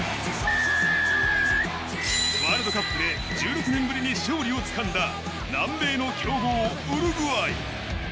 ワールドカップで１６年ぶりに勝利を掴んだ南米の強豪・ウルグアイ。